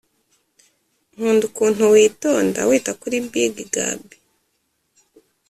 nkunda ukuntu witonda wita kuri big gabby